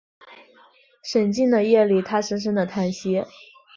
沈静的夜里他深深的叹息